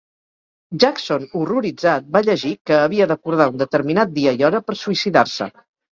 Jackson, horroritzat, va llegir que havia d'acordar un determinat dia i hora per suïcidar-se.